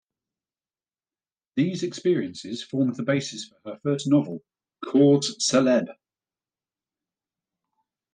These experiences formed the basis for her first novel, "Cause Celeb".